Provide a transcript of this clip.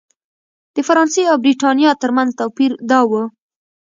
د فرانسې او برېټانیا ترمنځ توپیر دا و.